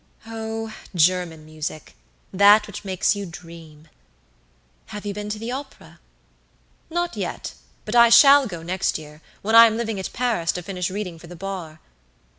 "Oh, German music; that which makes you dream." "Have you been to the opera?" "Not yet; but I shall go next year, when I am living at Paris to finish reading for the bar."